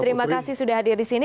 terima kasih sudah hadir di sini